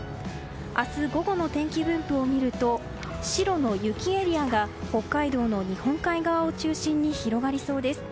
明日午後の天気分布を見ると白の雪エリアが北海道の日本海側を中心に広がりそうです。